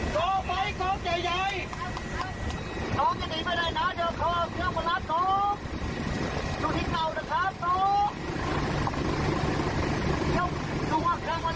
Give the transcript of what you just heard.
ใช่ไหมกันร่างเป็นใคร